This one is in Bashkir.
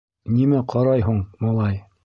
Нимә ҡарай һуң малай?